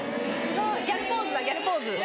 ギャルポーズだギャルポーズ。